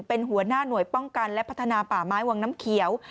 เป็นหัวหน้าหน่วยป้องกันและพัฒนาป่าไม้วังน้ำเขียว